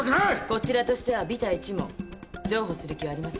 こちらとしてはびた一文譲歩する気はありません。